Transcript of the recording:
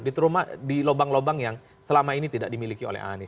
di terumah di lubang lubang yang selama ini tidak dimiliki oleh anis